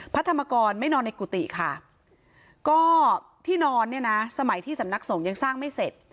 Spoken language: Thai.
พระธรรมกรไม่นอนในกุฏิค่ะก็ที่นอนเนี่ยนะสมัยที่สำนักสงฆ์ยังสร้างไม่เสร็จ